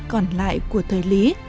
còn lại của thời lý